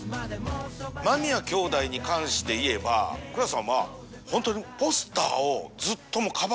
『間宮兄弟』に関して言えば蔵さんはホントに。